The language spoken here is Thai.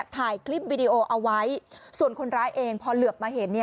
ถ่ายคลิปวิดีโอเอาไว้ส่วนคนร้ายเองพอเหลือบมาเห็น